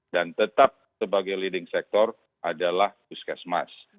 dan tetap sebagai leading sector adalah puskesmas